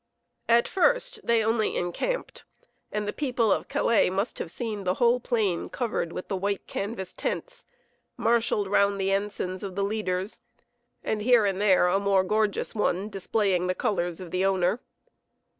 At first they only encamped, and the people of Calais must have seen the whole plain covered with the white canvas tents, marshalled round the ensigns of the leaders, and here and there a more gorgeous one displaying the colors of the owner.